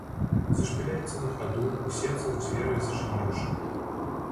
Зашпіляецца на хаду, у сенцах дзверы зачыніўшы.